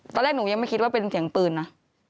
ตอนแรกหนูยังไม่คิดว่าเป็นเสียงปืนนะ